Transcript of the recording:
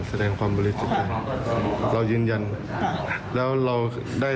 แสดงความบริสุทธิ์